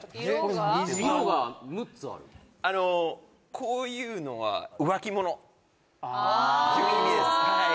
色がこういうのはああという意味です・